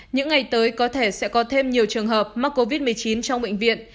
những ngày tới có thể sẽ có thêm nhiều trường hợp mắc covid một mươi chín trong bệnh viện